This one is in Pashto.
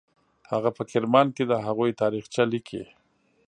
هغه په کرمان کې د هغوی تاریخچه لیکي.